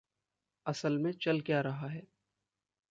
असल में चल क्या रहा है?